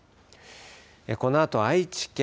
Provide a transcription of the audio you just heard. このあと、愛知県